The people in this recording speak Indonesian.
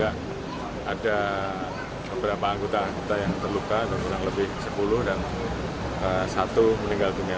ada beberapa anggota anggota yang terluka dan kurang lebih sepuluh dan satu meninggal dunia